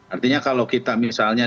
artinya kalau kita misalnya